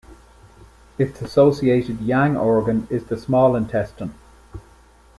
Its associated yang organ is the Small Intestine.